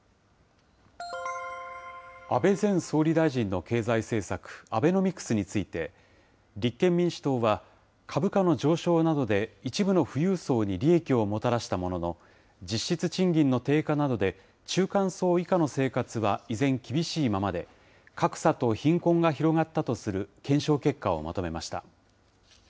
安倍前総理大臣の経済政策、アベノミクスについて、立憲民主党は、株価の上昇などで一部の富裕層に利益をもたらしたものの、実質賃金の低下などで中間層以下の生活は依然、厳しいままで、格差と貧困が広がったとする検証結果をまとめました。